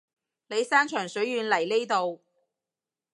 你山長水遠嚟呢度